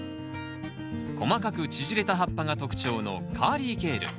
細かく縮れた葉っぱが特徴のカーリーケール。